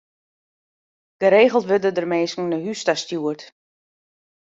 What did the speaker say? Geregeld wurde der minsken nei hûs ta stjoerd.